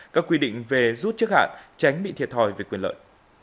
các quy định về rút trước hạn tránh bị thiệt thòi về quyền lợi